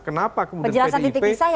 kenapa kemudian pdip antara pak jokowi